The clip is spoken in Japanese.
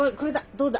どうだ？